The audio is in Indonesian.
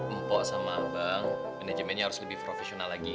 empok sama abang manajemennya harus lebih profesional lagi